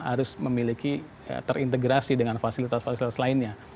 harus memiliki terintegrasi dengan fasilitas fasilitas lainnya